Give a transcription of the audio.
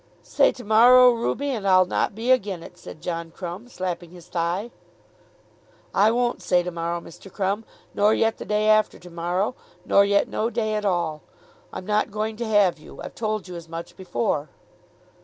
"Say to morrow, Ruby, and I'll not be agon it," said John Crumb, slapping his thigh. "I won't say to morrow, Mr. Crumb, nor yet the day after to morrow, nor yet no day at all. I'm not going to have you. I've told you as much before."